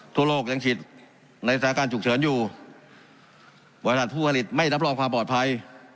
ทั่วโลกยังฉีดในสถานการณ์ฉุกเฉินอยู่บริษัทผู้ผลิตไม่รับรองความปลอดภัย